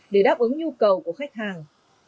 để đáp ứng nhu cầu của khách hàng